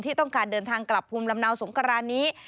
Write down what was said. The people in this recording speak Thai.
ต้องการเดินทางกลับภูมิลำเนาสงครานนี้